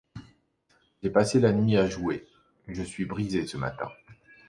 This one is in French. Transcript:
J'ai passé la nuit à jouer ; je suis brisé, ce matin.